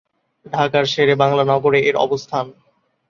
ঢাকার শেরে বাংলা নগরে এর অবস্থান।